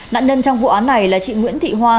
nạn nhân trong vụ án này là chị nguyễn thị hoa